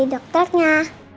iya dokter reina yang cantik